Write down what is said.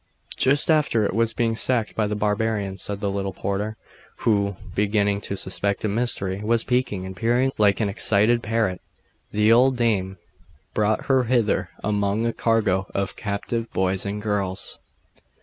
'Just after it was sacked by the barbarians,' said the little porter, who, beginning to suspect a mystery, was peaking and peering like an excited parrot. 'The old dame brought her hither among a cargo of captive boys and girls.